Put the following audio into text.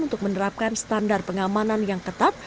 untuk menerapkan standar pengamanan yang ketat